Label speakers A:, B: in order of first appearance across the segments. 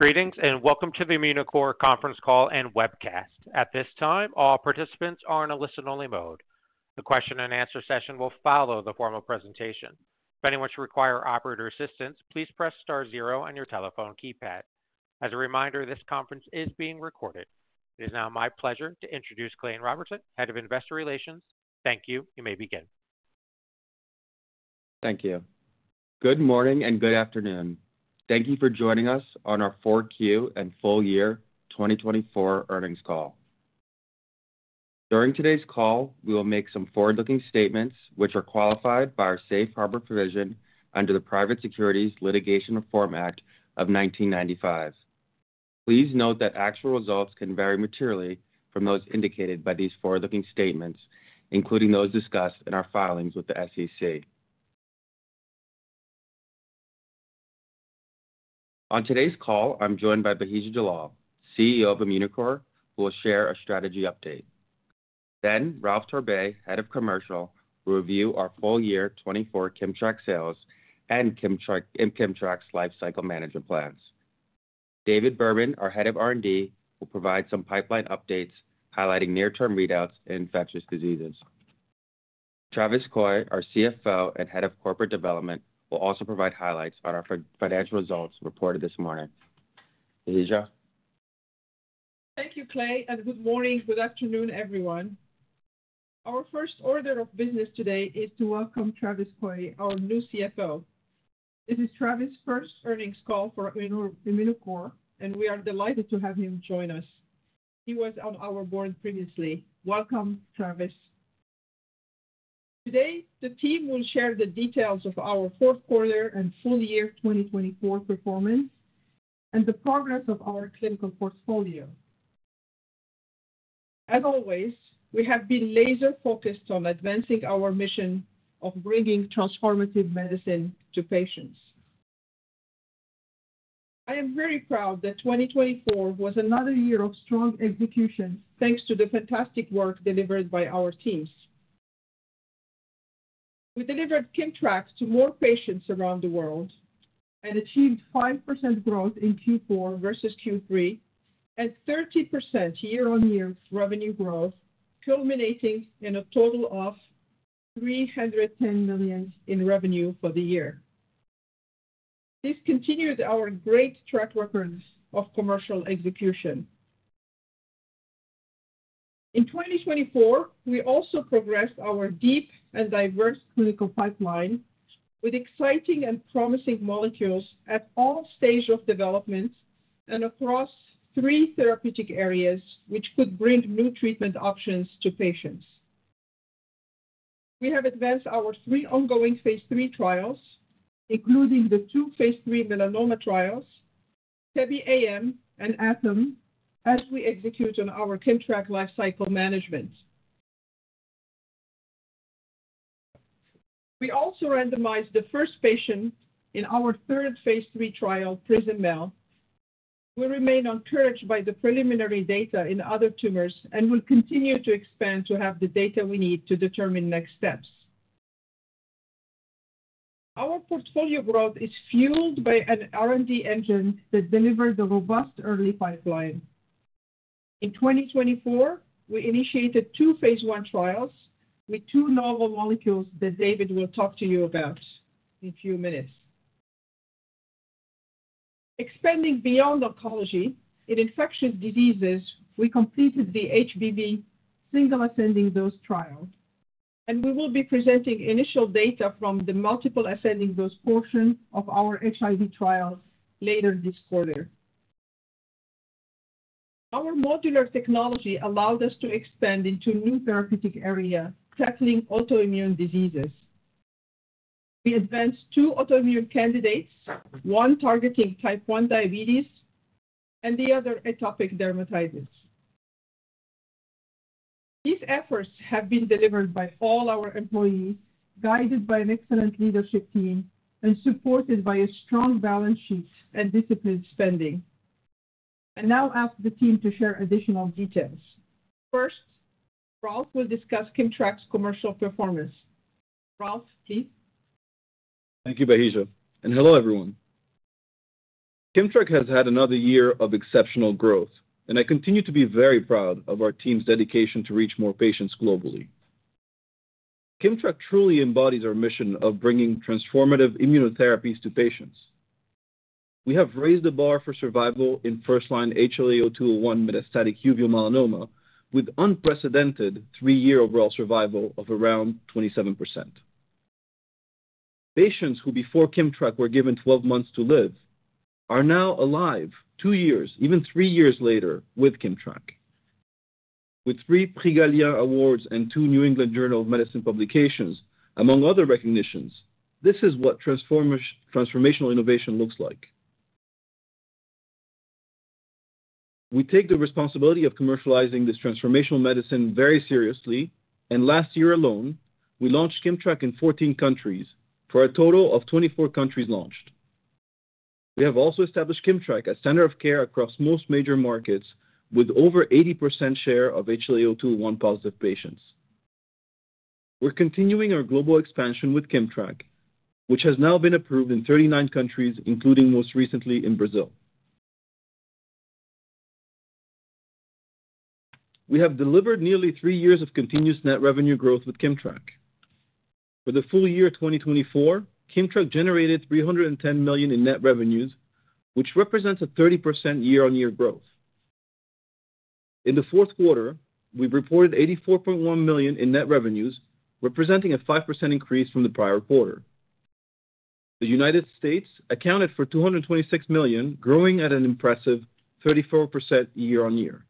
A: Greetings and welcome to the Immunocore Conference Call and Webcast. At this time, all participants are in a listen-only mode. The question-and-answer session will follow the formal presentation. If anyone should require operator assistance, please press star zero on your telephone keypad. As a reminder, this conference is being recorded. It is now my pleasure to introduce Clayton Robertson, Head of Investor Relations. Thank you. You may begin.
B: Thank you. Good morning and good afternoon. Thank you for joining us on our Q4 and full-year 2024 earnings call. During today's call, we will make some forward-looking statements which are qualified by our safe harbor provision under the Private Securities Litigation Reform Act of 1995. Please note that actual results can vary materially from those indicated by these forward-looking statements, including those discussed in our filings with the SEC. On today's call, I'm joined by Bahija Jallal, CEO of Immunocore, who will share a strategy update. Then, Ralph Torbay, Head of Commercial, will review our full-year '24 KIMMTRAK sales and KIMMTRAK lifecycle management plans. David Berman, our Head of R&D, will provide some pipeline updates highlighting near-term readouts in infectious diseases. Travis Coy, our CFO and Head of Corporate Development, will also provide highlights on our financial results reported this morning. Bahija.
C: Thank you, Clay, and good morning, good afternoon, everyone. Our first order of business today is to welcome Travis Coy, our new CFO. This is Travis's first earnings call for Immunocore, and we are delighted to have him join us. He was on our board previously. Welcome, Travis. Today, the team will share the details of our fourth quarter and full-year 2024 performance and the progress of our clinical portfolio. As always, we have been laser-focused on advancing our mission of bringing transformative medicine to patients. I am very proud that 2024 was another year of strong execution thanks to the fantastic work delivered by our teams. We delivered KIMMTRAK to more patients around the world and achieved 5% growth in Q4 versus Q3 and 30% year-on-year revenue growth, culminating in a total of $310 million in revenue for the year. This continues our great track record of commercial execution. In 2024, we also progressed our deep and diverse clinical pipeline with exciting and promising molecules at all stages of development and across three therapeutic areas which could bring new treatment options to patients. We have advanced our three ongoing phase III trials, including the two phase III melanoma trials, TEBE-AM, and ATOM, as we execute on our KIMMTRAK lifecycle management. We also randomized the first patient in our third phase III trial, PRISM-MEL. We remain encouraged by the preliminary data in other tumors and will continue to expand to have the data we need to determine next steps. Our portfolio growth is fueled by an R&D engine that delivers a robust early pipeline. In 2024, we initiated two phase I trials with two novel molecules that David will talk to you about in a few minutes. Expanding beyond oncology, in infectious diseases, we completed the HBV single ascending dose trial, and we will be presenting initial data from the multiple ascending dose portion of our HIV trial later this quarter. Our modular technology allowed us to expand into new therapeutic areas tackling autoimmune diseases. We advanced two autoimmune candidates, one targeting type 1 diabetes and the other atopic dermatitis. These efforts have been delivered by all our employees, guided by an excellent leadership team and supported by a strong balance sheet and disciplined spending. I now ask the team to share additional details. First, Ralph will discuss KIMMTRAK's commercial performance. Ralph, please.
D: Thank you, Bahija, and hello, everyone. KIMMTRAK has had another year of exceptional growth, and I continue to be very proud of our team's dedication to reach more patients globally. KIMMTRAK truly embodies our mission of bringing transformative immunotherapies to patients. We have raised the bar for survival in first-line HLA-A*02:01 metastatic uveal melanoma with unprecedented three-year overall survival of around 27%. Patients who before KIMMTRAK were given 12 months to live are now alive two years, even three years later, with KIMMTRAK. With three Prix Galien Awards and two New England Journal of Medicine publications, among other recognitions, this is what transformational innovation looks like. We take the responsibility of commercializing this transformational medicine very seriously, and last year alone, we launched KIMMTRAK in 14 countries for a total of 24 countries launched. We have also established KIMMTRAK as a center of care across most major markets with over an 80% share of HLA-A*02:01 positive patients. We're continuing our global expansion with KIMMTRAK, which has now been approved in 39 countries, including most recently in Brazil. We have delivered nearly three years of continuous net revenue growth with KIMMTRAK. For the full year 2024, KIMMTRAK generated $310 million in net revenues, which represents a 30% year-on-year growth. In the fourth quarter, we reported $84.1 million in net revenues, representing a 5% increase from the prior quarter. The United States accounted for $226 million, growing at an impressive 34% year-on-year.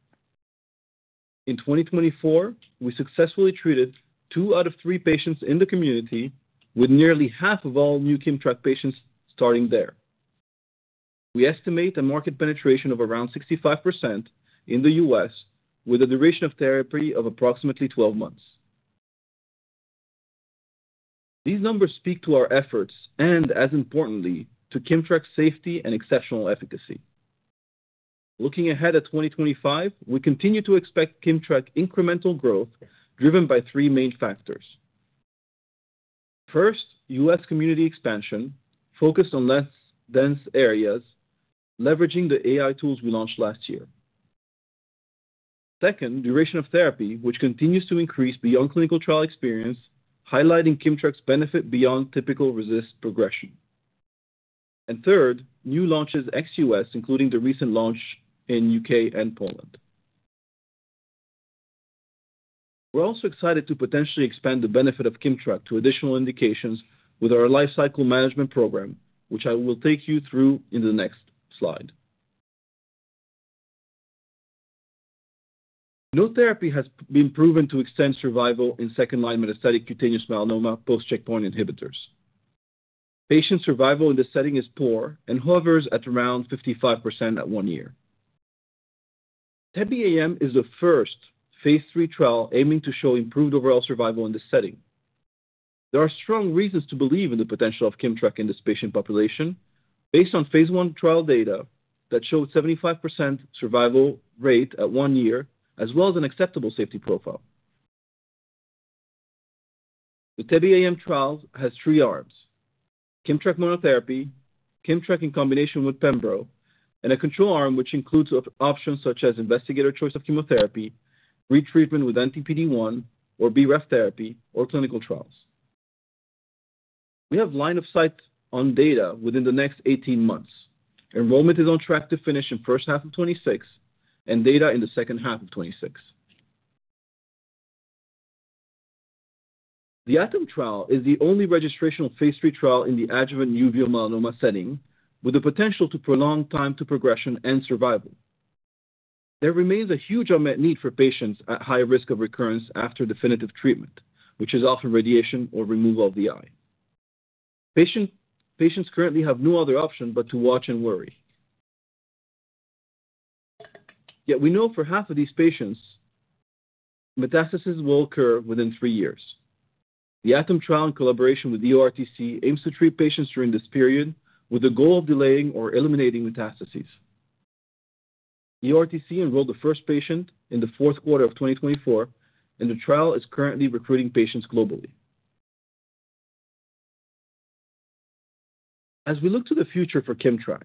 D: In 2024, we successfully treated two out of three patients in the community, with nearly half of all new KIMMTRAK patients starting there. We estimate a market penetration of around 65% in the U.S., with a duration of therapy of approximately 12 months. These numbers speak to our efforts and, as importantly, to KIMMTRAK's safety and exceptional efficacy. Looking ahead at 2025, we continue to expect KIMMTRAK's incremental growth driven by three main factors. First, U.S. community expansion focused on less dense areas, leveraging the AI tools we launched last year. Second, duration of therapy, which continues to increase beyond clinical trial experience, highlighting KIMMTRAK's benefit beyond typical resistance progression. And third, new launches ex-U.S., including the recent launch in the U.K. and Poland. We're also excited to potentially expand the benefit of KIMMTRAK to additional indications with our lifecycle management program, which I will take you through in the next slide. No therapy has been proven to extend survival in second-line metastatic cutaneous melanoma post-checkpoint inhibitors. Patient survival in this setting is poor and hovers at around 55% at one year. TEBE-AM is the first phase III trial aiming to show improved overall survival in this setting. There are strong reasons to believe in the potential of KIMMTRAK in this patient population based on phase I trial data that showed a 75% survival rate at one year, as well as an acceptable safety profile. The TEBE-AM trial has three arms: KIMMTRAK monotherapy, KIMMTRAK in combination with pembrolizumab, and a control arm which includes options such as investigator choice of chemotherapy, retreatment with anti-PD-1 or BRAF therapy, or clinical trials. We have line-of-sight data within the next 18 months. Enrollment is on track to finish in the first half of 2026 and data in the second half of 2026. The ATOM trial is the only registrational phase III trial in the adjuvant uveal melanoma setting, with the potential to prolong time to progression and survival. There remains a huge unmet need for patients at high risk of recurrence after definitive treatment, which is often radiation or removal of the eye. Patients currently have no other option but to watch and worry. Yet we know for half of these patients, metastasis will occur within three years. The ATOM trial in collaboration with the EORTC aims to treat patients during this period with the goal of delaying or eliminating metastases. EORTC enrolled the first patient in the fourth quarter of 2024, and the trial is currently recruiting patients globally. As we look to the future for KIMMTRAK,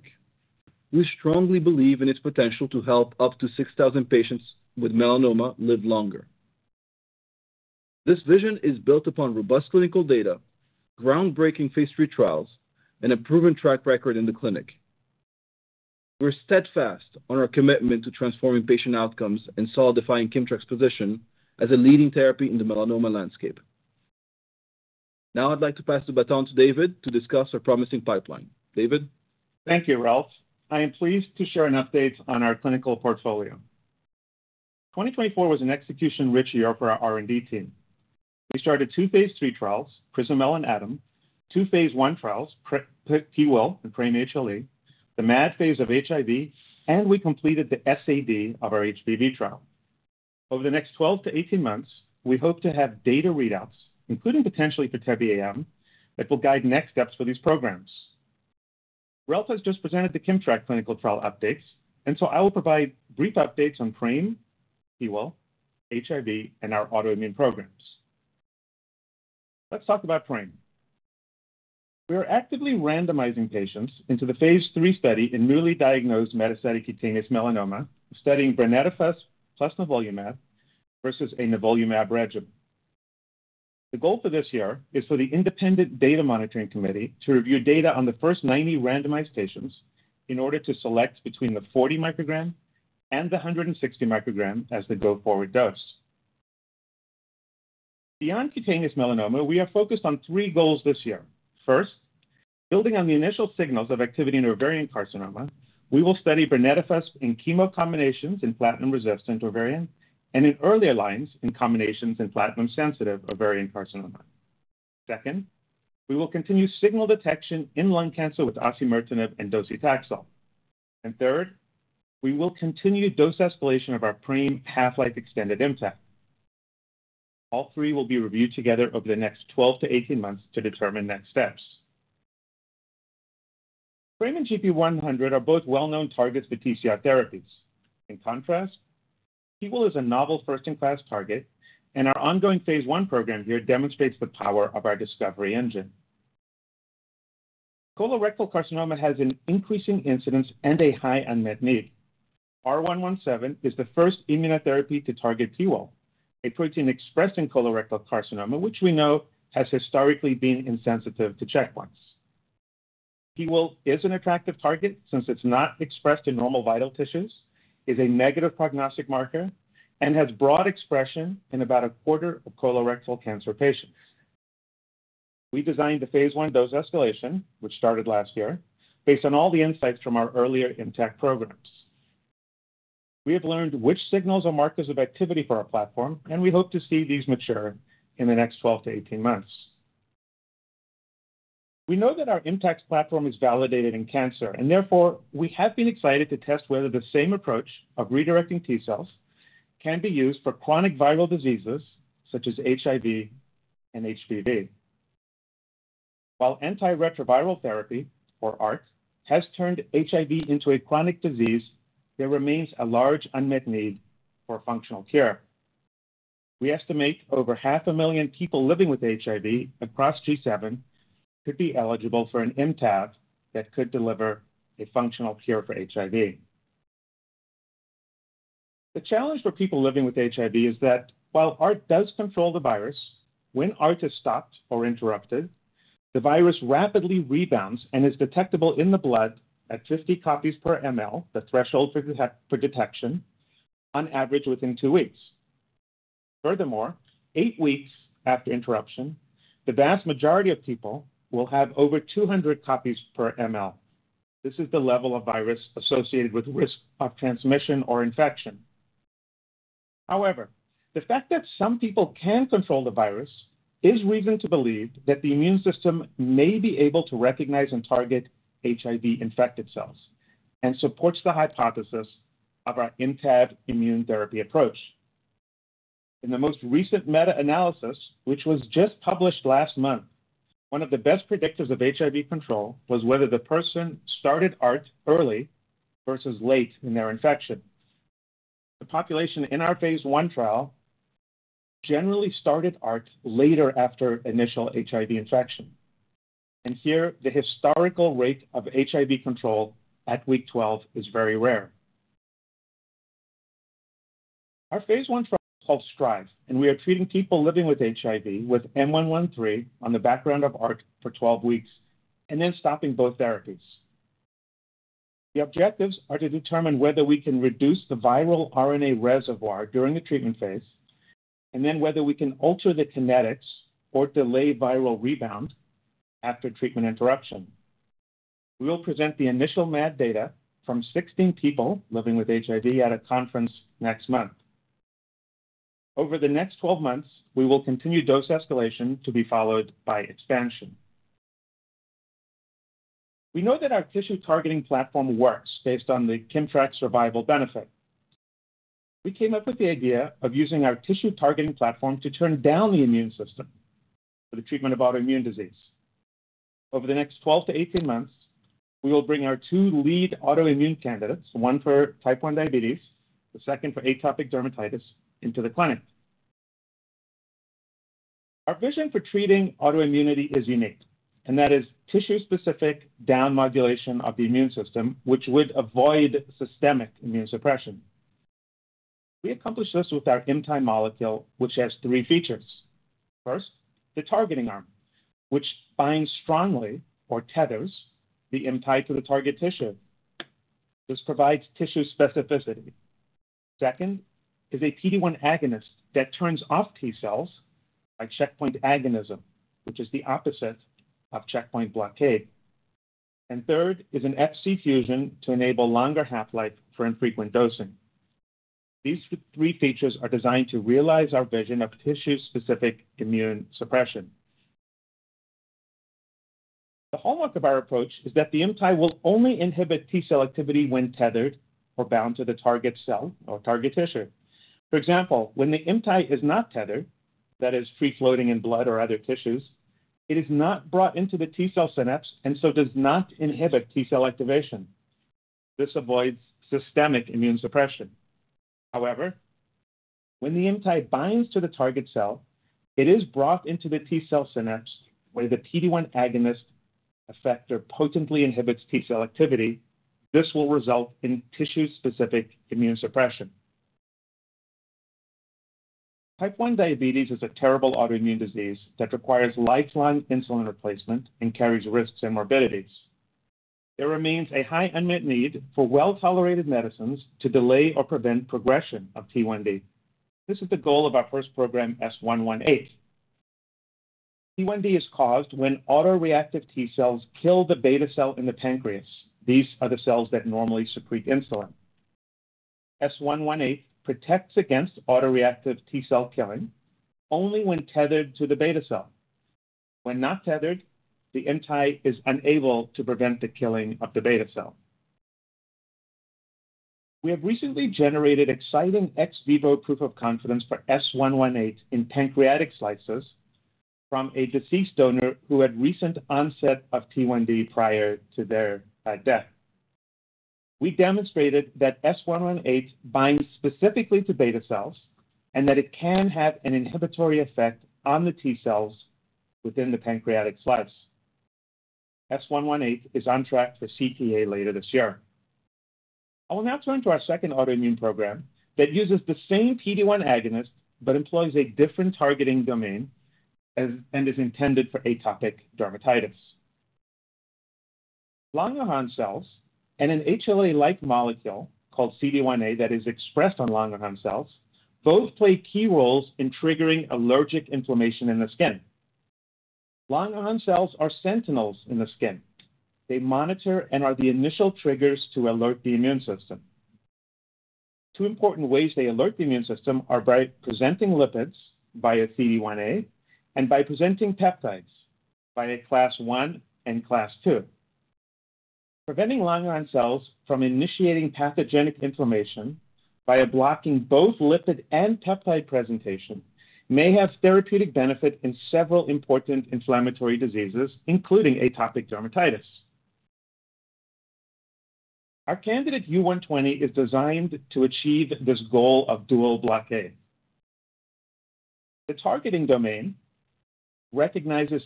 D: we strongly believe in its potential to help up to 6,000 patients with melanoma live longer. This vision is built upon robust clinical data, groundbreaking phase III trials, and a proven track record in the clinic. We're steadfast on our commitment to transforming patient outcomes and solidifying KIMMTRAK's position as a leading therapy in the melanoma landscape. Now I'd like to pass the baton to David to discuss our promising pipeline. David.
E: Thank you, Ralph. I am pleased to share an update on our clinical portfolio. 2024 was an execution-rich year for our R&D team. We started two phase III trials, PRISM-MEL and ATOM, two phase I trials, PIWIL1 and PRAME HLE, the MAD phase of HIV, and we completed the SAD of our HBV trial. Over the next 12-18 months, we hope to have data readouts, including potentially for TEBE-AM, that will guide next steps for these programs. Ralph has just presented the KIMMTRAK clinical trial updates, and so I will provide brief updates on PRAME, PIWIL1, HIV, and our autoimmune programs. Let's talk about PRAME. We are actively randomizing patients into the phase III study in newly diagnosed metastatic cutaneous melanoma, studying brenetafusp plus nivolumab versus a nivolumab regimen. The goal for this year is for the Independent Data Monitoring Committee to review data on the first 90 randomized patients in order to select between the 40 microgram and the 160 microgram as the go-forward dose. Beyond cutaneous melanoma, we are focused on three goals this year. First, building on the initial signals of activity in ovarian carcinoma, we will study brenetafusp in chemo combinations in platinum-resistant ovarian and in earlier lines in combinations in platinum-sensitive ovarian carcinoma. Second, we will continue signal detection in lung cancer with osimertinib and docetaxel. Third, we will continue dose escalation of our PRAME half-life extended IMC. All three will be reviewed together over the next 12-18 months to determine next steps. PRAME and GP100 are both well-known targets for TCR therapies. In contrast, PIWIL1 is a novel first-in-class target, and our ongoing phase I program here demonstrates the power of our discovery engine. Colorectal carcinoma has an increasing incidence and a high unmet need. IMC-R117 is the first immunotherapy to target PIWIL1, a protein expressed in colorectal carcinoma, which we know has historically been insensitive to checkpoints. PIWIL1 is an attractive target since it's not expressed in normal vital tissues, is a negative prognostic marker, and has broad expression in about a quarter of colorectal cancer patients. We designed the phase I dose escalation, which started last year, based on all the insights from our earlier ImmTAC programs. We have learned which signals are markers of activity for our platform, and we hope to see these mature in the next 12-18 months. We know that our ImmTAC platform is validated in cancer, and therefore we have been excited to test whether the same approach of redirecting T cells can be used for chronic viral diseases such as HIV and HBV. While antiretroviral therapy, or ART, has turned HIV into a chronic disease, there remains a large unmet need for functional cure. We estimate over 500,000 people living with HIV across G7 could be eligible for an ImmTAC that could deliver a functional cure for HIV. The challenge for people living with HIV is that while ART does control the virus, when ART is stopped or interrupted, the virus rapidly rebounds and is detectable in the blood at 50 copies per ml, the threshold for detection, on average within two weeks. Furthermore, eight weeks after interruption, the vast majority of people will have over 200 copies per ml. This is the level of virus associated with risk of transmission or infection. However, the fact that some people can control the virus is reason to believe that the immune system may be able to recognize and target HIV-infected cells and supports the hypothesis of our ImmTAC immune therapy approach. In the most recent meta-analysis, which was just published last month, one of the best predictors of HIV control was whether the person started ART early versus late in their infection. The population in our phase I trial generally started ART later after initial HIV infection. Here, the historical rate of HIV control at week 12 is very rare. Our phase I trial is called STRIVE, and we are treating people living with HIV with M113 on the background of ART for 12 weeks and then stopping both therapies. The objectives are to determine whether we can reduce the viral RNA reservoir during the treatment phase and then whether we can alter the kinetics or delay viral rebound after treatment interruption. We will present the initial MAD data from 16 people living with HIV at a conference next month. Over the next 12 months, we will continue dose escalation to be followed by expansion. We know that our tissue targeting platform works based on the KIMMTRAK survival benefit. We came up with the idea of using our tissue targeting platform to turn down the immune system for the treatment of autoimmune disease. Over the next 12-18 months, we will bring our two lead autoimmune candidates, one for type 1 diabetes, the second for atopic dermatitis, into the clinic. Our vision for treating autoimmunity is unique, and that is tissue-specific down modulation of the immune system, which would avoid systemic immune suppression. We accomplish this with our ImmTAAI molecule, which has three features. First, the targeting arm, which binds strongly or tethers the ImmTAAI to the target tissue. This provides tissue specificity. Second is a PD-1 agonist that turns off T cells by checkpoint agonism, which is the opposite of checkpoint blockade. And third is an Fc fusion to enable longer half-life for infrequent dosing. These three features are designed to realize our vision of tissue-specific immune suppression. The hallmark of our approach is that the ImmTAAI will only inhibit T cell activity when tethered or bound to the target cell or target tissue. For example, when the ImmTAAI is not tethered, that is, free-floating in blood or other tissues, it is not brought into the T cell synapse and so does not inhibit T cell activation. This avoids systemic immune suppression. However, when the ImmTAAI binds to the target cell, it is brought into the T cell synapse where the PD-1 agonist effector potently inhibits T cell activity. This will result in tissue-specific immune suppression. Type 1 diabetes is a terrible autoimmune disease that requires lifelong insulin replacement and carries risks and morbidities. There remains a high unmet need for well-tolerated medicines to delay or prevent progression of T1D. This is the goal of our first program, IMC-S118. T1D is caused when autoreactive T cells kill the beta cell in the pancreas. These are the cells that normally secrete insulin. IMC-S118 protects against autoreactive T cell killing only when tethered to the beta cell. When not tethered, the ImmTAAI is unable to prevent the killing of the beta cell. We have recently generated exciting ex vivo proof of concept for IMC-S118 in pancreatic slices from a deceased donor who had recent onset of T1D prior to their death. We demonstrated that IMC-S118 binds specifically to beta cells and that it can have an inhibitory effect on the T cells within the pancreatic slice. IMC-S118 is on track for CTA later this year. I will now turn to our second autoimmune program that uses the same PD-1 agonist but employs a different targeting domain and is intended for atopic dermatitis. Langerhans cells and an HLA-like molecule called CD1a that is expressed on Langerhans cells both play key roles in triggering allergic inflammation in the skin. Langerhans cells are sentinels in the skin. They monitor and are the initial triggers to alert the immune system. Two important ways they alert the immune system are by presenting lipids via CD1a and by presenting peptides via class I and class II. Preventing Langerhans cells from initiating pathogenic inflammation via blocking both lipid and peptide presentation may have therapeutic benefit in several important inflammatory diseases, including atopic dermatitis. Our candidate U120 is designed to achieve this goal of dual blockade. The targeting domain recognizes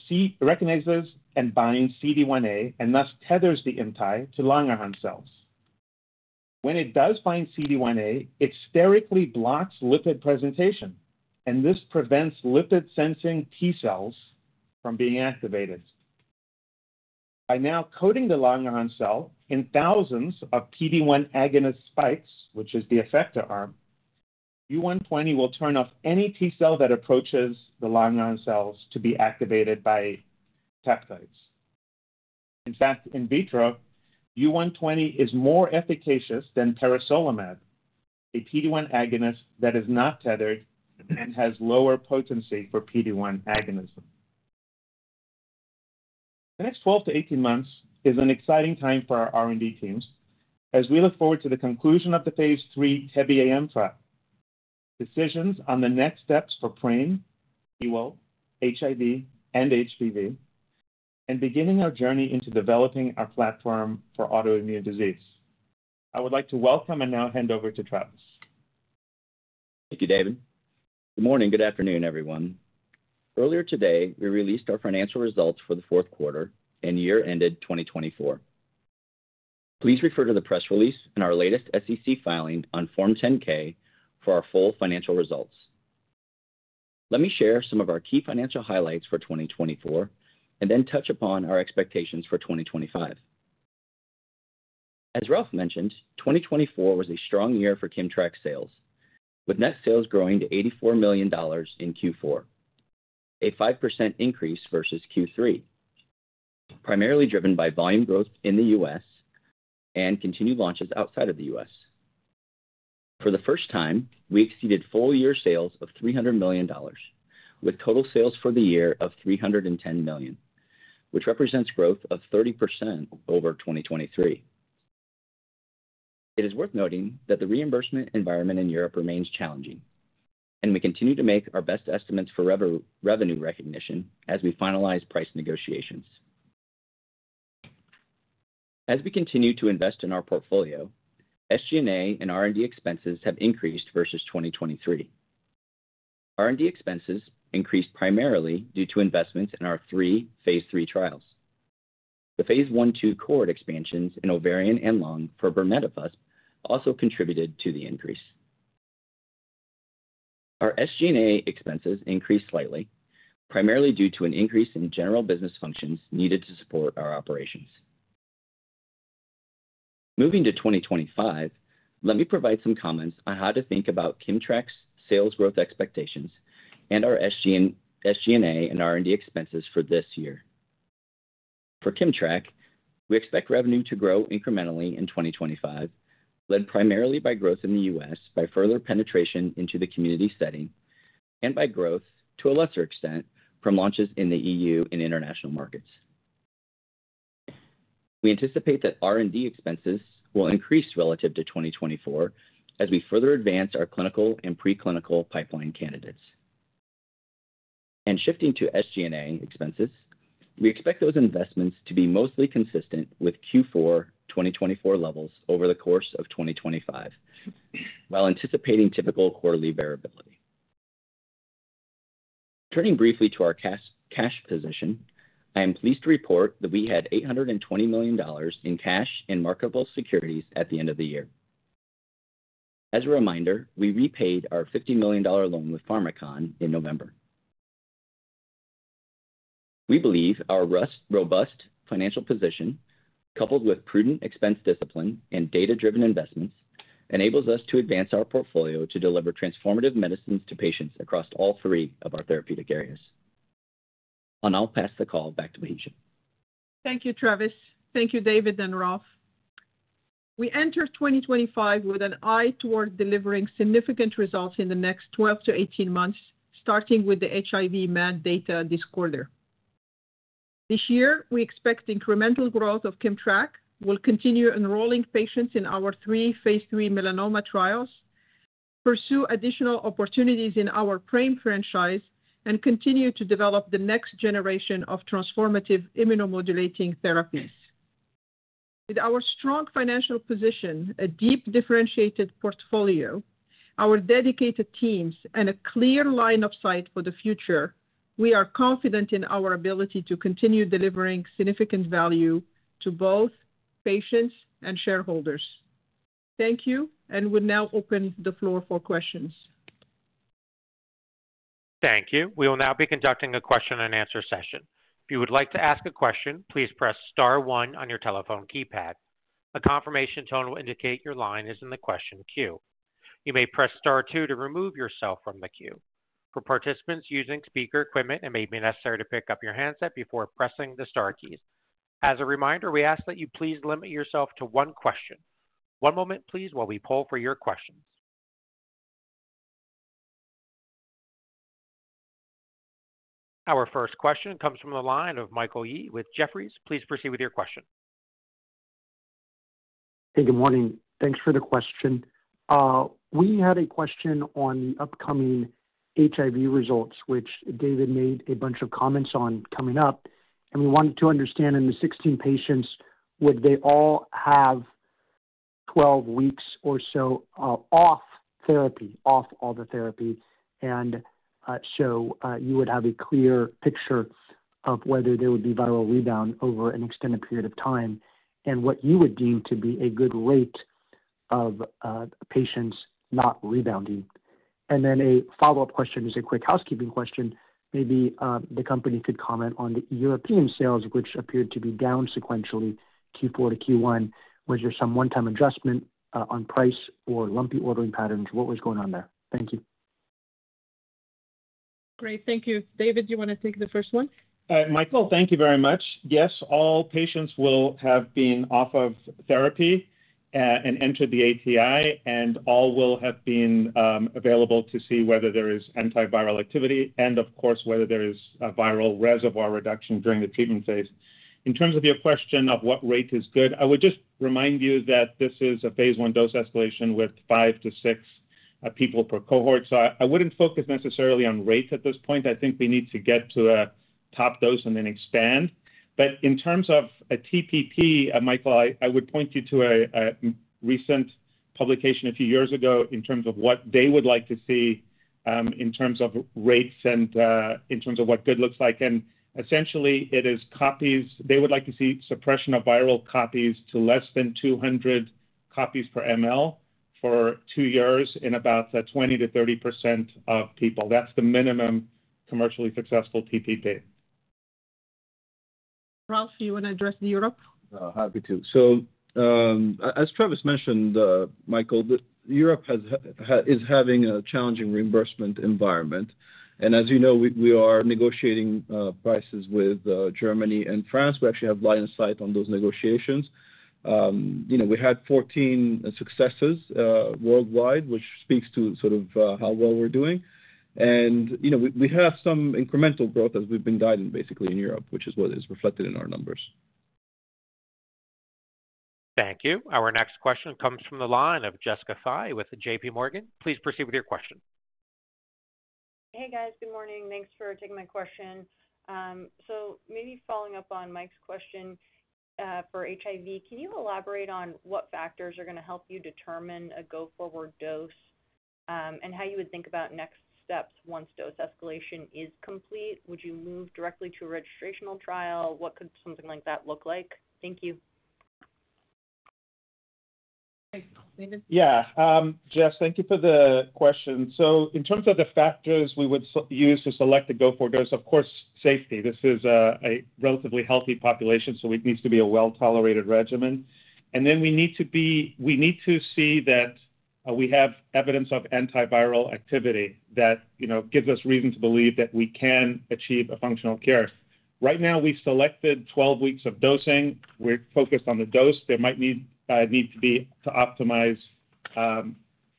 E: and binds CD1a and thus tethers the ImmTAAI to Langerhans cells. When it does bind CD1a, it sterically blocks lipid presentation, and this prevents lipid-sensing T cells from being activated. By now coating the Langerhans cell in thousands of PD-1 agonist spikes, which is the effector arm, U120 will turn off any T cell that approaches the Langerhans cells to be activated by peptides. In fact, in vitro, U120 is more efficacious than peresolimab, a PD-1 agonist that is not tethered and has lower potency for PD-1 agonism. The next 12-18 months is an exciting time for our R&D teams as we look forward to the conclusion of the phase III TEBE-AM trial, decisions on the next steps for PRAME, PIWIL1, HIV, and HBV, and beginning our journey into developing our platform for autoimmune disease. I would like to welcome and now hand over to Travis.
F: Thank you, David. Good morning, good afternoon, everyone. Earlier today, we released our financial results for the fourth quarter and year ended 2024. Please refer to the press release and our latest SEC filing on Form 10-K for our full financial results. Let me share some of our key financial highlights for 2024 and then touch upon our expectations for 2025. As Ralph mentioned, 2024 was a strong year for KIMMTRAK sales, with net sales growing to $84 million in Q4, a 5% increase versus Q3, primarily driven by volume growth in the U.S. and continued launches outside of the U.S. For the first time, we exceeded full year sales of $300 million, with total sales for the year of $310 million, which represents growth of 30% over 2023. It is worth noting that the reimbursement environment in Europe remains challenging, and we continue to make our best estimates for revenue recognition as we finalize price negotiations. As we continue to invest in our portfolio, SG&A and R&D expenses have increased versus 2023. R&D expenses increased primarily due to investments in our three phase III trials. The phase I/II cohort expansions in ovarian and lung for brenetafusp also contributed to the increase. Our SG&A expenses increased slightly, primarily due to an increase in general business functions needed to support our operations. Moving to 2025, let me provide some comments on how to think about KIMMTRAK sales growth expectations and our SG&A and R&D expenses for this year. For KIMMTRAK, we expect revenue to grow incrementally in 2025, led primarily by growth in the US by further penetration into the community setting and by growth, to a lesser extent, from launches in the EU and international markets. We anticipate that R&D expenses will increase relative to 2024 as we further advance our clinical and preclinical pipeline candidates, and shifting to SG&A expenses, we expect those investments to be mostly consistent with Q4 2024 levels over the course of 2025, while anticipating typical quarterly variability. Turning briefly to our cash position, I am pleased to report that we had $820 million in cash and marketable securities at the end of the year. As a reminder, we repaid our $50 million loan with Pharmakon in November. We believe our robust financial position, coupled with prudent expense discipline and data-driven investments, enables us to advance our portfolio to deliver transformative medicines to patients across all three of our therapeutic areas. I'll now pass the call back to Bahija.
C: Thank you, Travis. Thank you, David and Ralph. We enter 2025 with an eye toward delivering significant results in the next 12-18 months, starting with the HIV MAD data this quarter. This year, we expect incremental growth of KIMMTRAK, will continue enrolling patients in our three phase III melanoma trials, pursue additional opportunities in our PRAME franchise, and continue to develop the next generation of transformative immunomodulating therapies. With our strong financial position, a deeply differentiated portfolio, our dedicated teams, and a clear line of sight for the future, we are confident in our ability to continue delivering significant value to both patients and shareholders. Thank you, and we'll now open the floor for questions.
A: Thank you. We will now be conducting a question-and-answer session. If you would like to ask a question, please press Star 1 on your telephone keypad. A confirmation tone will indicate your line is in the question queue. You may press Star 2 to remove yourself from the queue. For participants using speaker equipment, it may be necessary to pick up your handset before pressing the Star keys. As a reminder, we ask that you please limit yourself to one question. One moment, please, while we poll for your questions. Our first question comes from the line of Michael Yee with Jefferies. Please proceed with your question.
G: Hey, good morning. Thanks for the question. We had a question on the upcoming HIV results, which David made a bunch of comments on coming up, and we wanted to understand in the 16 patients, would they all have 12 weeks or so off therapy, off all the therapy? And so you would have a clear picture of whether there would be viral rebound over an extended period of time and what you would deem to be a good rate of patients not rebounding. And then a follow-up question is a quick housekeeping question. Maybe the company could comment on the European sales, which appeared to be down sequentially Q4 to Q1. Was there some one-time adjustment on price or lumpy ordering patterns? What was going on there? Thank you.
C: Great. Thank you. David, do you want to take the first one?
E: Michael, thank you very much. Yes, all patients will have been off of therapy and entered the ATI, and all will have been available to see whether there is antiviral activity and, of course, whether there is a viral reservoir reduction during the treatment phase. In terms of your question of what rate is good, I would just remind you that this is a phase I dose escalation with five to six people per cohort. So I wouldn't focus necessarily on rates at this point. I think we need to get to a top dose and then expand. But in terms of a TPP, Michael, I would point you to a recent publication a few years ago in terms of what they would like to see in terms of rates and in terms of what good looks like. And essentially, it is copies. They would like to see suppression of viral copies to less than 200 copies per mL for two years in about 20%-30% of people. That's the minimum commercially successful TPP.
C: Ralph, do you want to address the Europe?
D: Happy to. So as Travis mentioned, Michael, Europe is having a challenging reimbursement environment. And as you know, we are negotiating prices with Germany and France. We actually have slight insight on those negotiations. We had 14 successes worldwide, which speaks to sort of how well we're doing. And we have some incremental growth as we've been guiding, basically, in Europe, which is what is reflected in our numbers.
A: Thank you. Our next question comes from the line of Jessica Fye with J.P. Morgan. Please proceed with your question.
H: Hey, guys. Good morning. Thanks for taking my question. So maybe following up on Mike's question for HIV, can you elaborate on what factors are going to help you determine a go-forward dose and how you would think about next steps once dose escalation is complete? Would you move directly to a registrational trial? What could something like that look like? Thank you.
E: Yeah. Jess, thank you for the question. So in terms of the factors we would use to select a go-forward dose, of course, safety. This is a relatively healthy population, so it needs to be a well-tolerated regimen, and then we need to see that we have evidence of antiviral activity that gives us reason to believe that we can achieve a functional cure. Right now, we selected 12 weeks of dosing. We're focused on the dose. There might need to be to optimize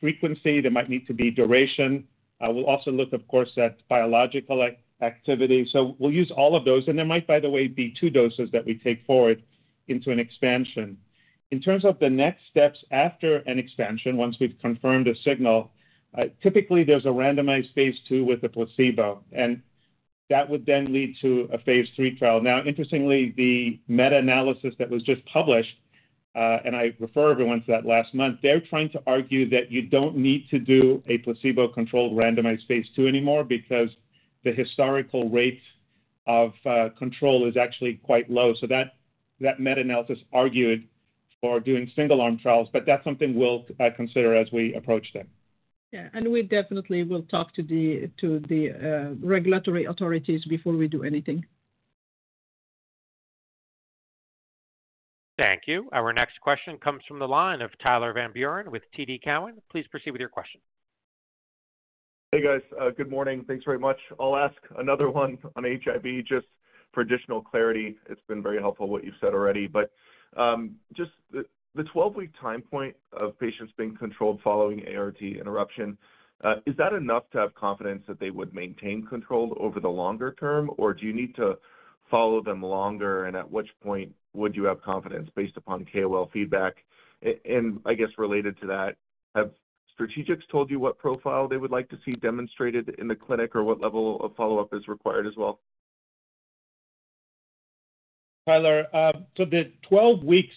E: frequency. There might need to be duration. We'll also look, of course, at biological activity. So we'll use all of those. And there might, by the way, be two doses that we take forward into an expansion. In terms of the next steps after an expansion, once we've confirmed a signal, typically, there's a randomized phase II with a placebo. And that would then lead to a phase III trial. Now, interestingly, the meta-analysis that was just published, and I refer everyone to that last month, they're trying to argue that you don't need to do a placebo-controlled randomized phase II anymore because the historical rate of control is actually quite low. So that meta-analysis argued for doing single-arm trials, but that's something we'll consider as we approach them.
C: Yeah. And we definitely will talk to the regulatory authorities before we do anything.
A: Thank you. Our next question comes from the line of Tyler Van Buren with TD Cowen. Please proceed with your question.
I: Hey, guys. Good morning. Thanks very much. I'll ask another one on HIV just for additional clarity. It's been very helpful what you've said already. But just the 12-week time point of patients being controlled following ART interruption, is that enough to have confidence that they would maintain control over the longer term, or do you need to follow them longer? And at which point would you have confidence based upon KOL feedback? And I guess related to that, have strategics told you what profile they would like to see demonstrated in the clinic or what level of follow-up is required as well?
E: Tyler, the 12 weeks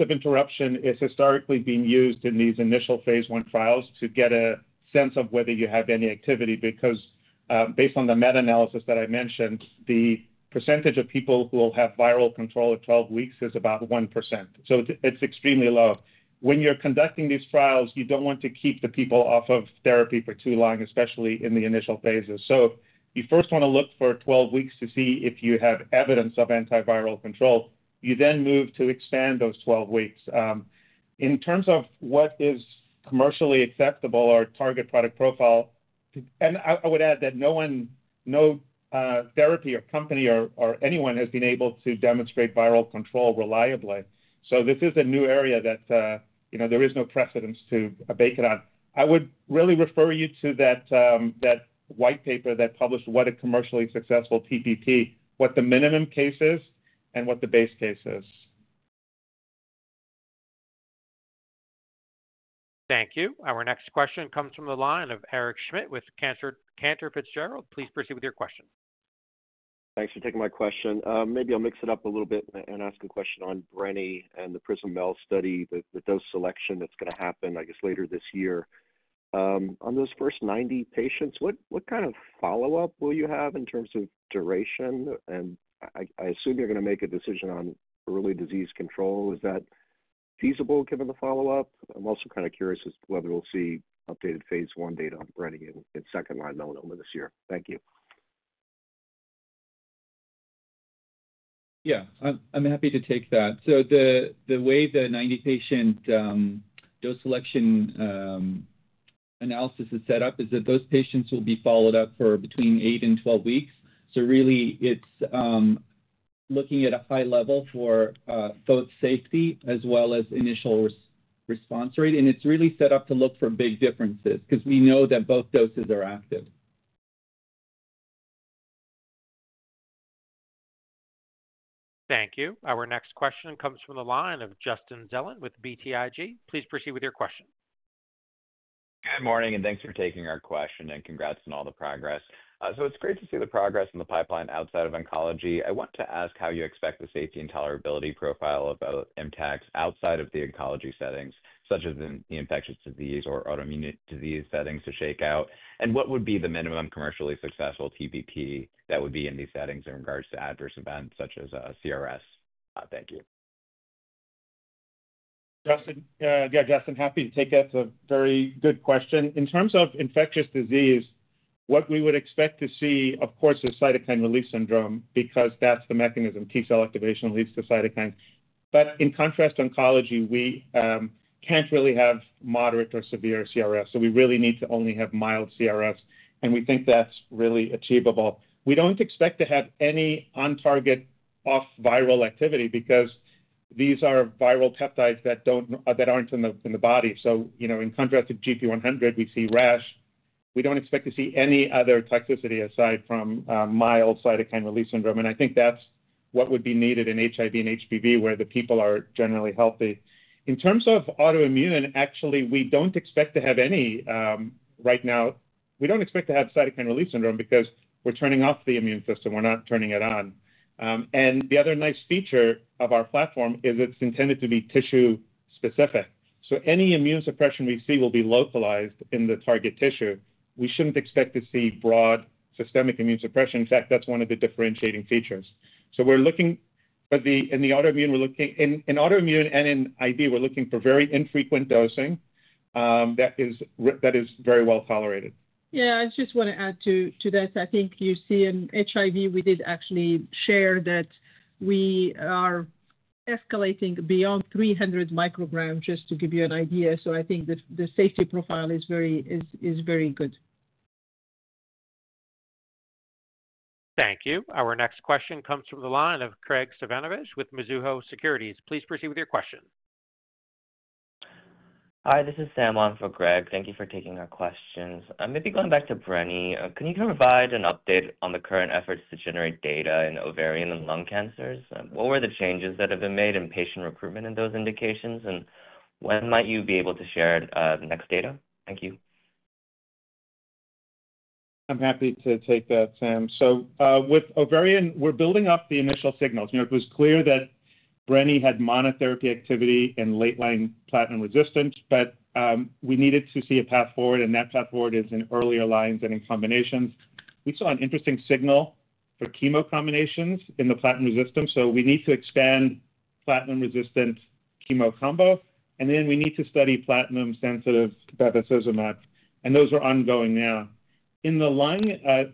E: of interruption is historically being used in these initial phase I trials to get a sense of whether you have any activity because based on the meta-analysis that I mentioned, the percentage of people who will have viral control at 12 weeks is about 1%. It's extremely low. When you're conducting these trials, you don't want to keep the people off of therapy for too long, especially in the initial phases. You first want to look for 12 weeks to see if you have evidence of antiviral control. You then move to expand those 12 weeks. In terms of what is commercially acceptable or target product profile, and I would add that no therapy or company or anyone has been able to demonstrate viral control reliably. This is a new area that there is no precedent to base it on. I would really refer you to that white paper that published what a commercially successful TPP, what the minimum case is, and what the base case is.
A: Thank you. Our next question comes from the line of Eric Schmidt with Cantor Fitzgerald. Please proceed with your question.
J: Thanks for taking my question. Maybe I'll mix it up a little bit and ask a question on brenetafusp and the PRISM-MEL study, the dose selection that's going to happen, I guess, later this year. On those first 90 patients, what kind of follow-up will you have in terms of duration? And I assume you're going to make a decision on early disease control. Is that feasible given the follow-up? I'm also kind of curious as to whether we'll see updated phase I data on brenetafusp and second-line melanoma this year. Thank you.
D: Yeah. I'm happy to take that. So the way the 90-patient dose selection analysis is set up is that those patients will be followed up for between eight and 12 weeks. So really, it's looking at a high level for both safety as well as initial response rate. And it's really set up to look for big differences because we know that both doses are active.
A: Thank you. Our next question comes from the line of Justin Zelin with BTIG. Please proceed with your question.
K: Good morning, and thanks for taking our question and congrats on all the progress. It's great to see the progress in the pipeline outside of oncology. I want to ask how you expect the safety and tolerability profile of ImmTACs outside of the oncology settings, such as in the infectious disease or autoimmune disease settings, to shake out. And what would be the minimum commercially successful TPP that would be in these settings in regards to adverse events, such as CRS? Thank you.
E: Yeah, Justin, happy to take it. It's a very good question. In terms of infectious disease, what we would expect to see, of course, is cytokine release syndrome because that's the mechanism T-cell activation leads to cytokines. But in contrast to oncology, we can't really have moderate or severe CRS. So we really need to only have mild CRS. And we think that's really achievable. We don't expect to have any on-target off-viral activity because these are viral peptides that aren't in the body. So in contrast to GP100, we see rash. We don't expect to see any other toxicity aside from mild cytokine release syndrome. And I think that's what would be needed in HIV and HPV where the people are generally healthy. In terms of autoimmune, actually, we don't expect to have any right now. We don't expect to have cytokine release syndrome because we're turning off the immune system. We're not turning it on, and the other nice feature of our platform is it's intended to be tissue-specific. So any immune suppression we see will be localized in the target tissue. We shouldn't expect to see broad systemic immune suppression. In fact, that's one of the differentiating features. So in the autoimmune, we're looking in autoimmune and in HIV, we're looking for very infrequent dosing that is very well tolerated.
C: Yeah. I just want to add to this. I think you see in HIV, we did actually share that we are escalating beyond 300 micrograms, just to give you an idea. So I think the safety profile is very good.
A: Thank you. Our next question comes from the line of Craig Suvannavejh with Mizuho Securities. Please proceed with your question.
L: Hi, this is Sam on for Craig. Thank you for taking our questions. Maybe going back to brenetafusp, can you provide an update on the current efforts to generate data in ovarian and lung cancers? What were the changes that have been made in patient recruitment in those indications? And when might you be able to share next data? Thank you.
E: I'm happy to take that, Sam. So with ovarian, we're building up the initial signals. It was clear that brenetafusp had monotherapy activity and late-line platinum resistance, but we needed to see a path forward. And that path forward is in earlier lines and in combinations. We saw an interesting signal for chemo combinations in the platinum resistance. So we need to expand platinum-resistant chemo combo. And then we need to study platinum-sensitive bevacizumab. And those are ongoing now. In the lung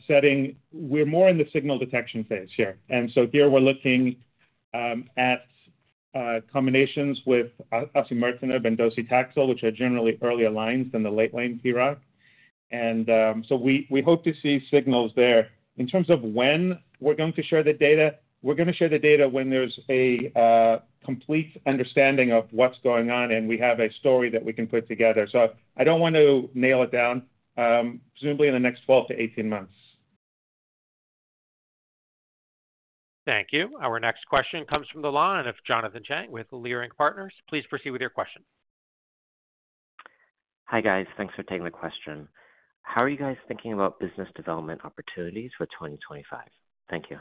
E: setting, we're more in the signal detection phase here. And so here, we're looking at combinations with osimertinib and docetaxel, which are generally earlier lines than the late-line PROC. And so we hope to see signals there. In terms of when we're going to share the data, we're going to share the data when there's a complete understanding of what's going on and we have a story that we can put together. So I don't want to nail it down, presumably in the next 12-18 months.
A: Thank you. Our next question comes from the line of Jonathan Chang with Leerink Partners. Please proceed with your question.
M: Hi, guys. Thanks for taking the question. How are you guys thinking about business development opportunities for 2025? Thank you.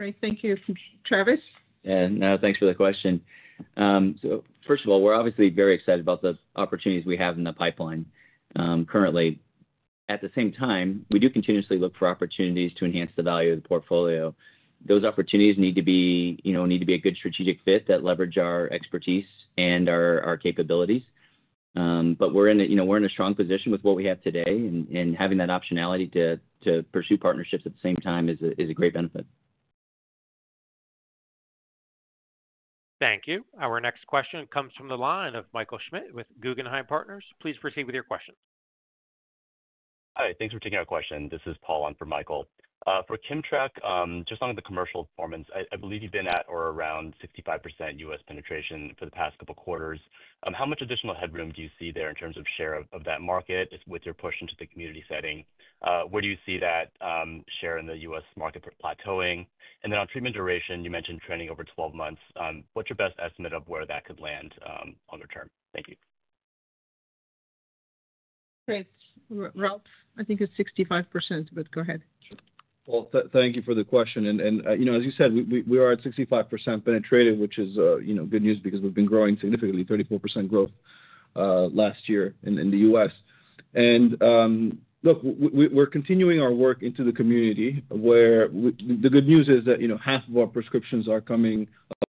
C: Great. Thank you. Travis?
F: Yeah. No, thanks for the question. So first of all, we're obviously very excited about the opportunities we have in the pipeline currently. At the same time, we do continuously look for opportunities to enhance the value of the portfolio. Those opportunities need to be a good strategic fit that leverage our expertise and our capabilities. But we're in a strong position with what we have today. And having that optionality to pursue partnerships at the same time is a great benefit.
A: Thank you. Our next question comes from the line of Michael Schmidt with Guggenheim Partners. Please proceed with your question.
N: Hi. Thanks for taking our question. This is Paul on for Michael. For KIMMTRAK, just on the commercial performance, I believe you've been at or around 65% U.S. penetration for the past couple of quarters. How much additional headroom do you see there in terms of share of that market with your push into the community setting? Where do you see that share in the U.S. market plateauing? And then on treatment duration, you mentioned trending over 12 months. What's your best estimate of where that could land longer term? Thank you.
C: Great Ralph, I think it's 65%, but go ahead.
D: Thank you for the question. As you said, we are at 65% penetrated, which is good news because we've been growing significantly, 34% growth last year in the U.S. Look, we're continuing our work into the community where the good news is that half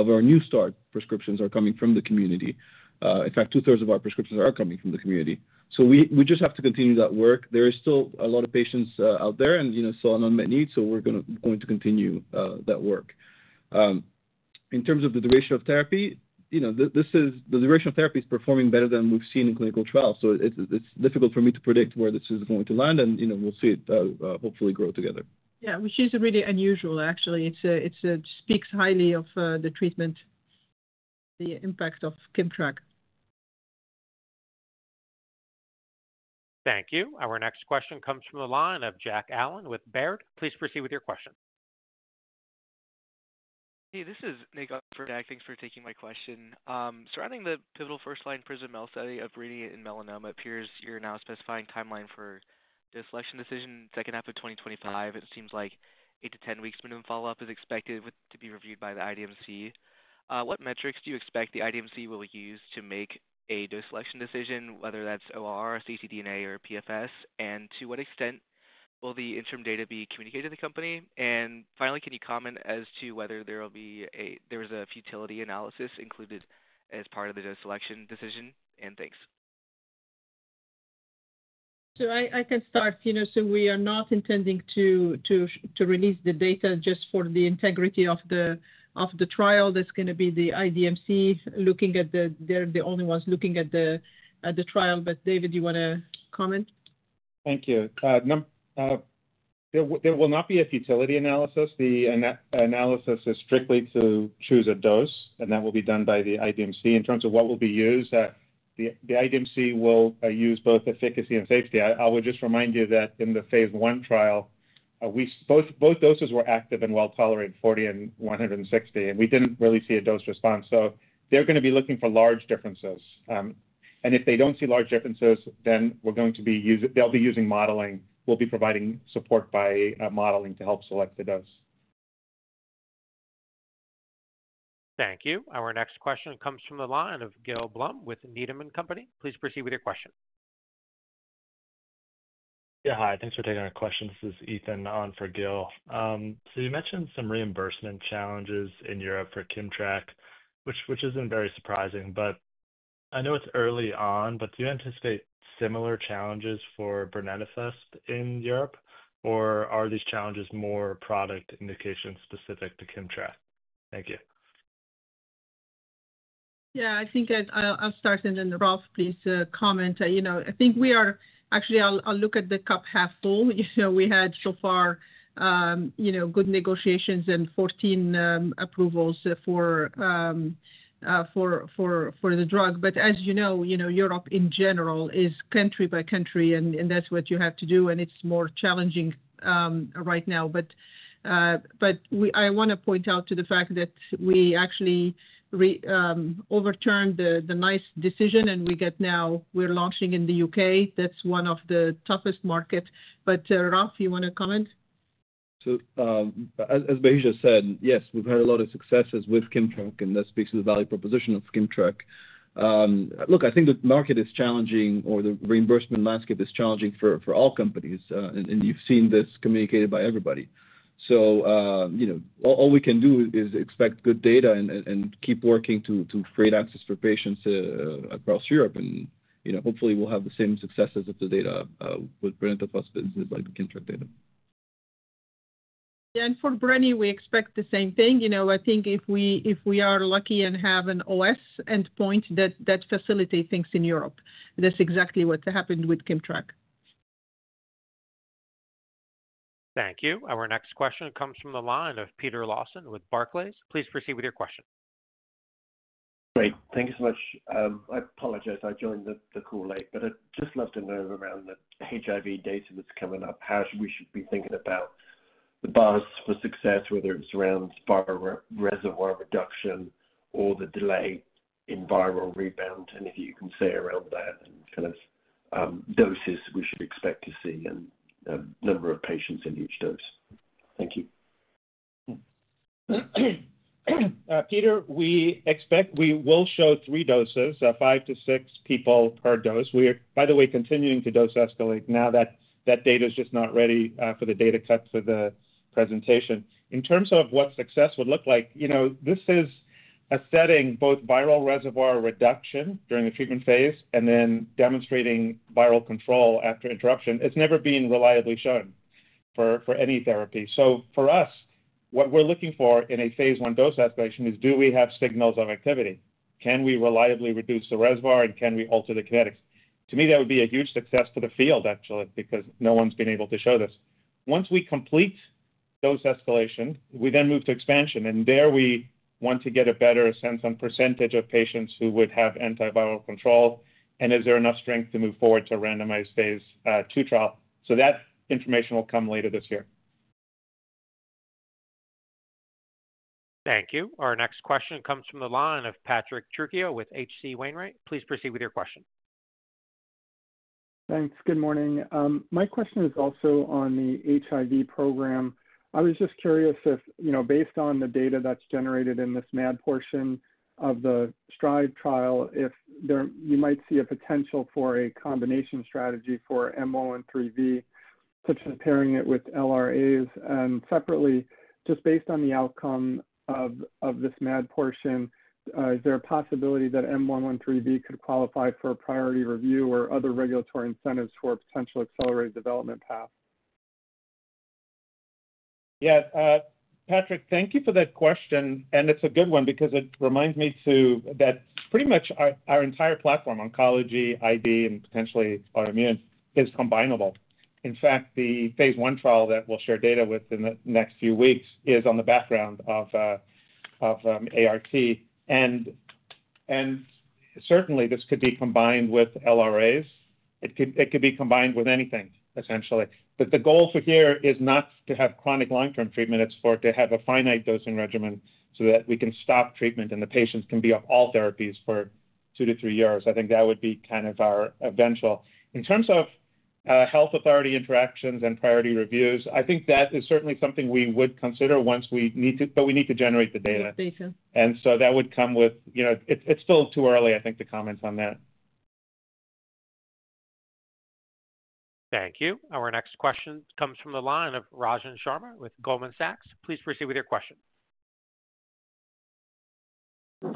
D: of our new start prescriptions are coming from the community. In fact, two-thirds of our prescriptions are coming from the community. We just have to continue that work. There is still a lot of patients out there with an unmet need. We're going to continue that work. In terms of the duration of therapy, the duration of therapy is performing better than we've seen in clinical trials. It's difficult for me to predict where this is going to land. We'll see it hopefully grow together.
C: Yeah, which is really unusual, actually. It speaks highly of the treatment, the impact of KIMMTRAK.
A: Thank you. Our next question comes from the line of Jack Allen with Baird. Please proceed with your question.
O: Hey, this is Nigel for Jack. Thanks for taking my question. Surrounding the pivotal first-line PRISM-MEL study of cutaneous melanoma, Piers, you're now specifying timeline for dose selection decision, second half of 2025. It seems like 8-10 weeks minimum follow-up is expected to be reviewed by the IDMC. What metrics do you expect the IDMC will use to make a dose selection decision, whether that's ORR, ctDNA, or PFS? And to what extent will the interim data be communicated to the company? And finally, can you comment as to whether there was a futility analysis included as part of the dose selection decision? And thanks.
C: So I can start. So we are not intending to release the data just for the integrity of the trial. That's going to be the IDMC looking at it. They're the only ones looking at the trial. But David, do you want to comment?
E: Thank you. There will not be a futility analysis. The analysis is strictly to choose a dose. And that will be done by the IDMC in terms of what will be used. The IDMC will use both efficacy and safety. I would just remind you that in the phase I trial, both doses were active and well tolerated, 40 and 160. And we didn't really see a dose response. So they're going to be looking for large differences. And if they don't see large differences, then they'll be using modeling. We'll be providing support by modeling to help select the dose.
A: Thank you. Our next question comes from the line of Gil Blum with Needham & Company. Please proceed with your question.
P: Yeah, hi. Thanks for taking our question. This is Ethan on for Gil. So you mentioned some reimbursement challenges in Europe for KIMMTRAK, which isn't very surprising. But I know it's early on, but do you anticipate similar challenges for brenetafusp in Europe? Or are these challenges more product indications specific to KIMMTRAK? Thank you.
C: Yeah, I think I'll start. And then Ralph, please comment. I think we are actually. I'll look at the cup half full. We had so far good negotiations and 14 approvals for the drug. But as you know, Europe in general is country by country. And that's what you have to do. And it's more challenging right now. But I want to point out to the fact that we actually overturned the NICE decision. And we got now we're launching in the U.K. That's one of the toughest markets. But Ralph, you want to comment?
D: So as Bahija said, yes, we've had a lot of successes with KIMMTRAK. And that speaks to the value proposition of KIMMTRAK. Look, I think the market is challenging or the reimbursement landscape is challenging for all companies. And you've seen this communicated by everybody. So all we can do is expect good data and keep working to create access for patients across Europe. And hopefully, we'll have the same successes of the data with Brenetafusp businesses like the KIMMTRAK data.
C: Yeah. And for brenetafusp, we expect the same thing. I think if we are lucky and have an OS endpoint that facilitates things in Europe, that's exactly what happened with KIMMTRAK.
A: Thank you. Our next question comes from the line of Peter Lawson with Barclays. Please proceed with your question.
Q: Great. Thank you so much. I apologize. I joined the call late. But I'd just love to know around the HIV data that's coming up, how we should be thinking about the bar for success, whether it's around viral reservoir reduction or the delay in viral rebound? And if you can say around that and kind of doses we should expect to see and number of patients in each dose? Thank you.
E: Peter, we expect we will show three doses, five to six people per dose. We are, by the way, continuing to dose escalate now that that data is just not ready for the data cut for the presentation. In terms of what success would look like, this is a setting both viral reservoir reduction during the treatment phase and then demonstrating viral control after interruption. It's never been reliably shown for any therapy. So for us, what we're looking for in a phase I dose escalation is do we have signals of activity? Can we reliably reduce the reservoir? And can we alter the kinetics? To me, that would be a huge success to the field, actually, because no one's been able to show this. Once we complete dose escalation, we then move to expansion. And there we want to get a better sense on percentage of patients who would have antiviral control. And is there enough strength to move forward to randomized phase two trial? So that information will come later this year.
A: Thank you. Our next question comes from the line of Patrick Trucchio with H.C. Wainwright. Please proceed with your question.
R: Thanks. Good morning. My question is also on the HIV program. I was just curious if, based on the data that's generated in this MAD portion of the STRIVE trial, you might see a potential for a combination strategy for M113V, such as pairing it with LRAs. And separately, just based on the outcome of this MAD portion, is there a possibility that M113V could qualify for priority review or other regulatory incentives for a potential accelerated development path?
E: Yeah. Patrick, thank you for that question. And it's a good one because it reminds me that pretty much our entire platform, oncology, HIV, and potentially autoimmune, is combinable. In fact, the phase I trial that we'll share data with in the next few weeks is on the background of ART. And certainly, this could be combined with LRAs. It could be combined with anything, essentially. But the goal for here is not to have chronic long-term treatment. It's for it to have a finite dosing regimen so that we can stop treatment and the patients can be off all therapies for two to three years. I think that would be kind of our eventual. In terms of health authority interactions and priority reviews, I think that is certainly something we would consider once we need to, but we need to generate the data. And so that would come with. It's still too early, I think, to comment on that.
A: Thank you. Our next question comes from the line of Rajan Sharma with Goldman Sachs. Please proceed with your question.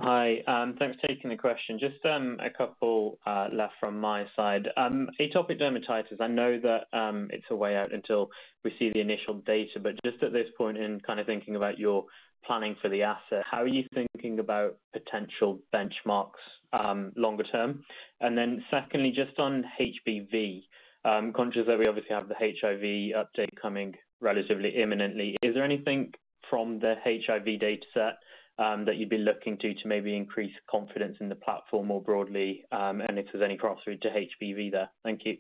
S: Hi. Thanks for taking the question. Just a couple left from my side. Atopic dermatitis, I know that it's a way out until we see the initial data. But just at this point in kind of thinking about your planning for the asset, how are you thinking about potential benchmarks longer term? And then secondly, just on HBV, conscious that we obviously have the HIV update coming relatively imminently. Is there anything from the HIV dataset that you'd be looking to maybe increase confidence in the platform more broadly? And if there's any crossover to HBV there. Thank you.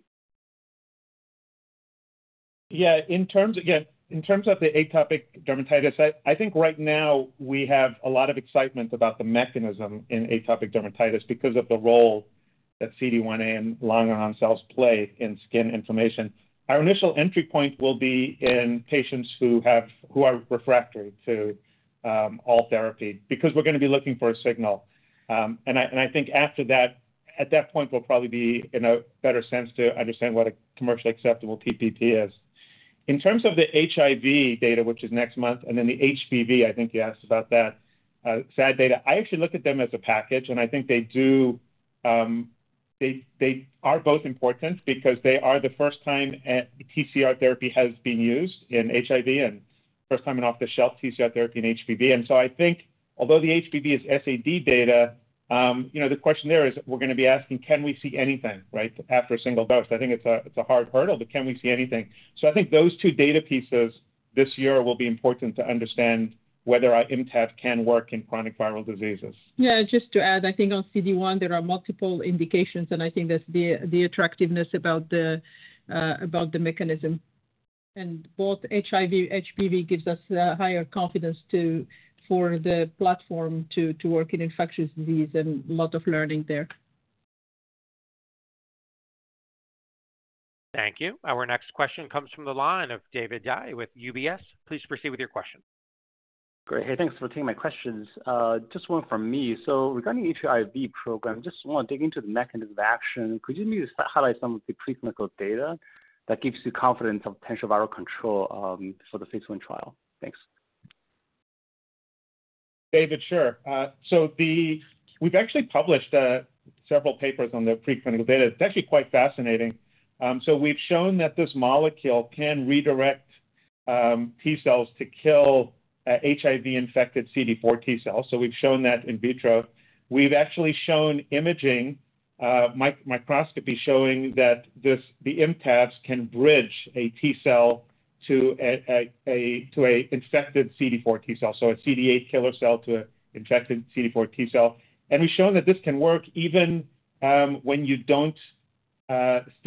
E: Yeah. Again, in terms of the atopic dermatitis, I think right now we have a lot of excitement about the mechanism in atopic dermatitis because of the role that CD1a and Langerhans cells play in skin inflammation. Our initial entry point will be in patients who are refractory to all therapy because we're going to be looking for a signal. And I think after that, at that point, we'll probably be in a better sense to understand what a commercially acceptable TPP is. In terms of the HIV data, which is next month, and then the HBV, I think you asked about that, SAD data, I actually look at them as a package. And I think they are both important because they are the first time TCR therapy has been used in HIV and first time in off-the-shelf TCR therapy in HBV. And so I think, although the HBV is SAD data, the question there is we're going to be asking, can we see anything after a single dose? I think it's a hard hurdle, but can we see anything? So I think those two data pieces this year will be important to understand whether ImmTAC can work in chronic viral diseases.
C: Yeah. Just to add, I think on CD1, there are multiple indications, and I think that's the attractiveness about the mechanism, and both HIV, HBV gives us higher confidence for the platform to work in infectious disease and a lot of learning there.
A: Thank you. Our next question comes from the line of David Dai with UBS. Please proceed with your question.
T: Great. Hey, thanks for taking my questions. Just one from me. So regarding HIV program, I just want to dig into the mechanism of action. Could you maybe highlight some of the preclinical data that gives you confidence of potential viral control for the phase I trial? Thanks.
E: David, sure. So we've actually published several papers on the preclinical data. It's actually quite fascinating. So we've shown that this molecule can redirect T cells to kill HIV-infected CD4 T cells. So we've shown that in vitro. We've actually shown imaging, microscopy showing that the ImmTACs can bridge a T cell to an infected CD4 T cell, so a CD8 killer cell to an infected CD4 T cell. And we've shown that this can work even when you don't kick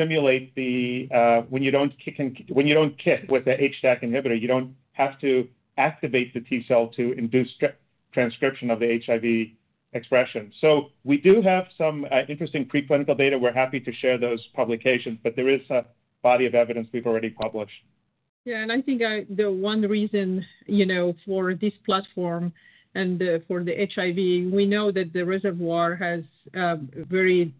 E: with the HDAC inhibitor, you don't have to activate the T cell to induce transcription of the HIV expression. So we do have some interesting preclinical data. We're happy to share those publications. But there is a body of evidence we've already published.
C: Yeah. And I think the one reason for this platform and for the HIV, we know that the reservoir has very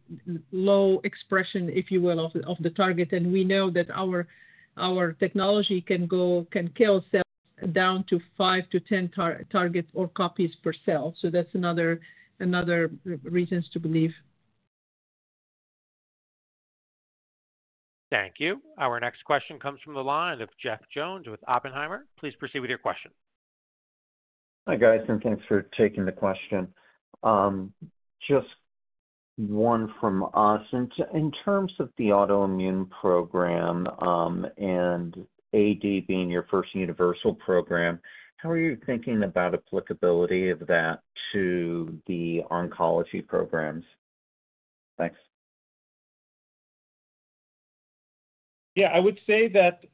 C: low expression, if you will, of the target. And we know that our technology can kill cells down to five to 10 targets or copies per cell. So that's another reason to believe.
A: Thank you. Our next question comes from the line of Jeff Jones with Oppenheimer. Please proceed with your question.
U: Hi, guys. And thanks for taking the question. Just one from us. In terms of the autoimmune program and AD being your first universal program, how are you thinking about applicability of that to the oncology programs? Thanks.
E: Yeah. I would say that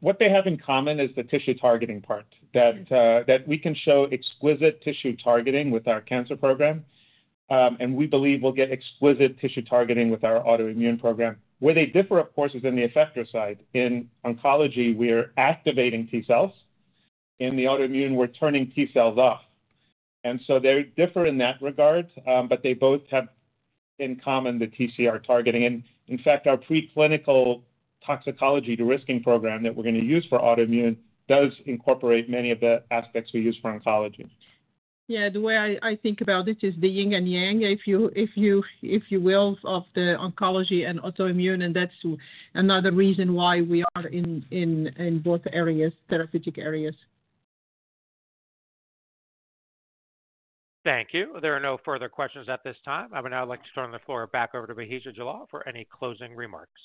E: what they have in common is the tissue targeting part, that we can show exquisite tissue targeting with our cancer program. And we believe we'll get exquisite tissue targeting with our autoimmune program. Where they differ, of course, is in the effector side. In oncology, we're activating T cells. In the autoimmune, we're turning T cells off. And so they differ in that regard. But they both have in common the TCR targeting. And in fact, our preclinical toxicology derisking program that we're going to use for autoimmune does incorporate many of the aspects we use for oncology.
C: Yeah. The way I think about it is the yin and yang, if you will, of the oncology and autoimmune. And that's another reason why we are in both areas, therapeutic areas.
A: Thank you. There are no further questions at this time. I would now like to turn the floor back over to Bahija Jallal for any closing remarks.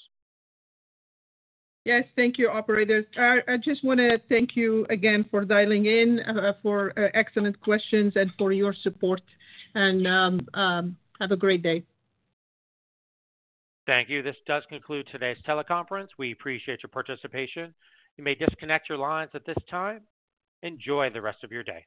C: Yes. Thank you, operators. I just want to thank you again for dialing in, for excellent questions, and for your support, and have a great day.
A: Thank you. This does conclude today's teleconference. We appreciate your participation. You may disconnect your lines at this time. Enjoy the rest of your day.